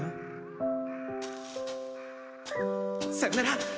さよなら。